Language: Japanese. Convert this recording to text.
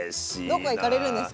どこか行かれるんですか？